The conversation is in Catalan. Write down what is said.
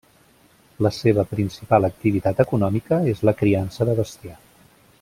La seva principal activitat econòmica és la criança de bestiar.